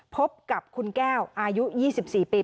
พบกับคุณแก้วอายุ๒๔ปี